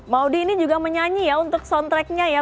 maudi ini juga menyanyi ya untuk soundtrack nya ya